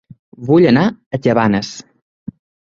Vull anar a Cabanes